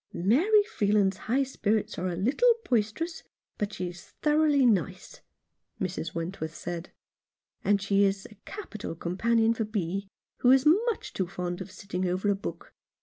"Mary Freeland's high spirits are a little bois terous, but she is thoroughly nice," Mrs. Wentworth said; "and she is a capital companion for Bee, who is much too fond of sitting over a book.